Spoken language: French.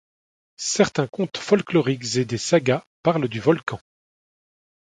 Certains contes folkloriques et des sagas parlent du volcan.